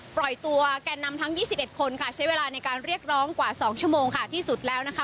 ปล่อยตัวแก่นนำทั้ง๒๑คนค่ะใช้เวลาในการเรียกร้องกว่า๒ชั่วโมงค่ะที่สุดแล้วนะคะ